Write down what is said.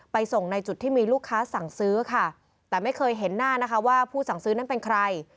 ส่งในจุดที่มีลูกค้าสั่งซื้อค่ะแต่ไม่เคยเห็นหน้านะคะว่าผู้สั่งซื้อนั้นเป็นใคร